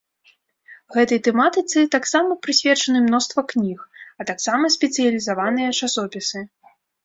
Гэтай тэматыцы таксама прысвечаны мноства кніг, а таксама спецыялізаваныя часопісы.